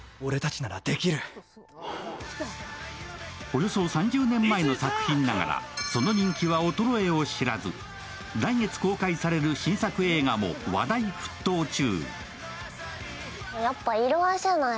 およそ３０年前の作品ながら、その人気は衰えを知らず来月公開される新作映画も話題沸騰中。